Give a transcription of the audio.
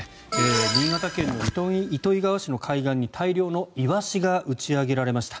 新潟県の糸魚川市の海岸に大量のイワシが打ち上げられました。